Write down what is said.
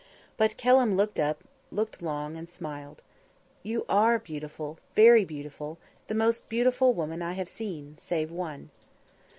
But Kelham looked up, looked long, and smiled. "You are beautiful very beautiful the most beautiful woman I have seen save one."